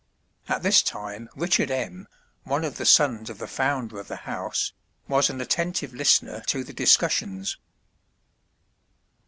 At this time Richard M., one of the sons of the founder of the house, was an attentive listener to the discussions.